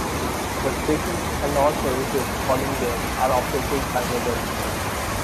The station, and all services calling there, are operated by Northern.